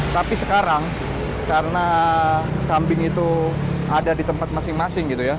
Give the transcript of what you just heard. tapi sekarang karena kambing itu ada di tempat masing masing gitu ya